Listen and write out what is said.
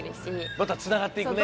またつながっていくね。